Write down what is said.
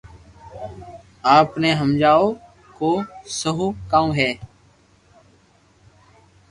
آپ ني ھماجو ڪو سھو ڪاو ھي